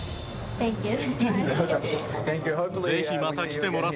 サンキュー。